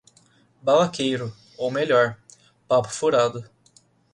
Balaqueiro, ou melhor, papo-furado